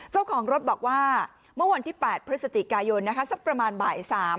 เจ้าของรถบอกว่าเมื่อวันที่๘พฤศจิกายนสักประมาณบ่าย๓